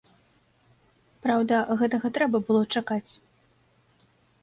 Праўда, гэтага трэба было чакаць.